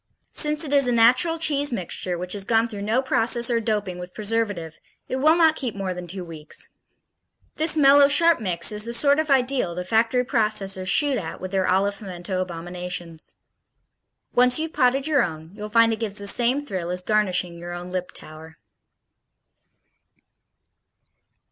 Since it is a natural cheese mixture, which has gone through no process or doping with preservative, it will not keep more than two weeks. This mellow sharp mix is the sort of ideal the factory processors shoot at with their olive pimiento abominations. Once you've potted your own, you'll find it gives the same thrill as garnishing your own Liptauer.